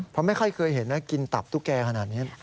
เพราะไม่ค่อยเคยเห็นนะกินตับตุ๊กแก่ขนาดนี้